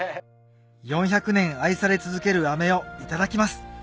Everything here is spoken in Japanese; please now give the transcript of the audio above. ４００年愛され続ける飴をいただきます